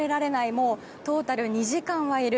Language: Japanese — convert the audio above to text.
もうトータル２時間はいる。